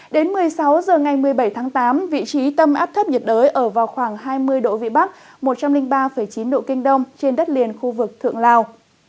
đến một mươi sáu h ngày một mươi bảy tháng tám vị trí tâm áp thấp nhiệt đới ở vào khoảng hai mươi độ vĩ bắc một trăm linh ba chín độ kinh đông trên đất liền khu vực thượng lào